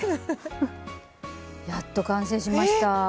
やっと完成しました。